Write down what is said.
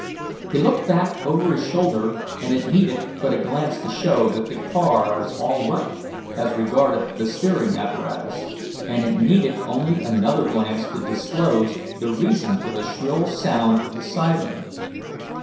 He looked back over his shoulder, and it needed but a glance to show that the car was all right, as regarded the steering apparatus. And it needed only another glance to disclose the reason for the shrill sound of the siren.